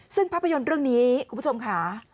ซึ่งภาพยนตร์เรื่องนี้คุณผู้ชมค่ะ